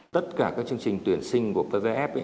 tất cả các chương trình tuyển sinh của pvf